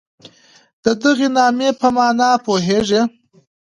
د دغي نامې په مانا پوهېږئ؟